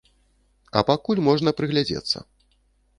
А пакуль можна прыглядзецца.